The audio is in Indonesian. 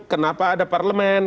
kenapa ada parlemen